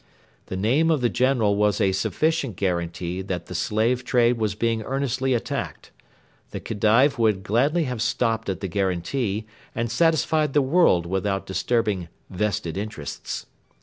The name of the General was a sufficient guarantee that the slave trade was being earnestly attacked. The Khedive would gladly have stopped at the guarantee, and satisfied the world without disturbing 'vested interests.'